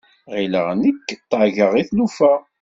Ɣileɣ nek ṭaggeɣ i tlufa.